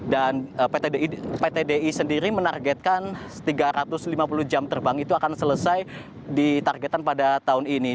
dan pt di sendiri menargetkan tiga ratus lima puluh jam terbang itu akan selesai di targetan pada tahun ini